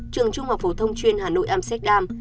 trường trung học phổ thông chuyên hà nội amsterdam